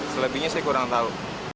selebihnya saya kurang tahu